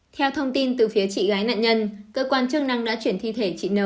theo thông tin từ phía chị gái nạn nhân cơ quan chức năng đã chuyển thi thể chị n